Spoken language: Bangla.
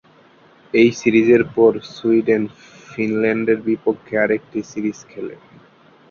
এ সিরিজের পর সুইডেন ফিনল্যান্ডের বিপক্ষে আরেকটি সিরিজ খেলে।